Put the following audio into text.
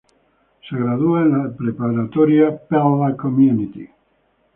Se graduó de la Preparatoria Pella Community.